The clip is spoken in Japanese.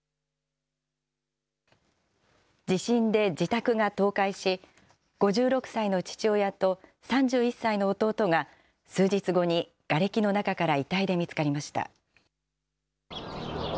地震で自宅が倒壊し、５６歳の父親と３１歳の弟が数日後にがれきの中から遺体で見つかりました。